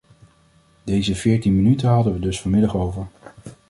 Deze veertien minuten hadden we dus vanmiddag over.